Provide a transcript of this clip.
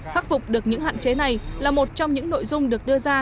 khắc phục được những hạn chế này là một trong những nội dung được đưa ra